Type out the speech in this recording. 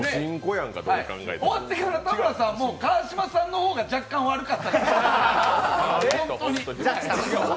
終わってから田村さんも川島さんの方が若干悪かったですと。